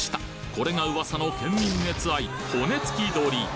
これが噂の県民熱愛骨付鳥